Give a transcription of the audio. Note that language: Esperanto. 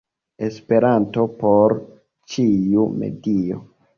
Esperanto por ĉiu medio!